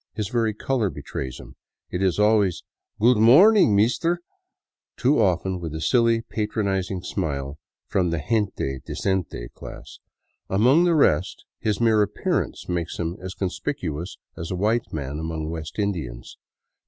His very color betrays him. It is always " Goot mawning, Meestear," too often with a silly, patronizing smile, from the " gente decente '* class ; among the rest his mere appearance makes him as conspicuous as a white man among West Indians.